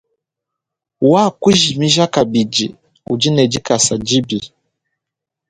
Wakujimija kabidi udi ne dikasa dibi.